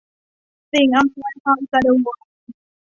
สิ่งอำนวยความสะดวก